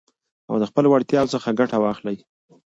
او د خپلو وړتياوو څخه ګټه واخلٸ.